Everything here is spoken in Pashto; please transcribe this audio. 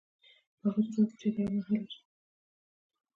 په هغه صورت کې چې اداره منحله شي.